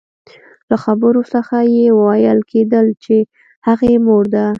له خبرو څخه يې ويل کېدل چې هغې مور ده.